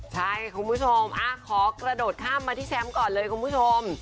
ใช่คุณผู้ชมขอกระโดดข้ามมาที่แชมป์ก่อนเลยคุณผู้ชม